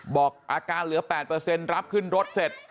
บอกอาการเหลือ๘รับขึ้นรถเสร็จ